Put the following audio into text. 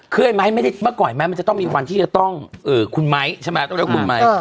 เคยไหมไม่ได้เมื่อก่อนไหมมันจะต้องมีวันที่จะต้องคุณไมค์ใช่ไหมต้องเรียกคุณไม้